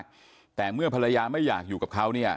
รักภรรยาคนนี้มากแต่เมื่อภรรยาไม่อยากอยู่กับเขา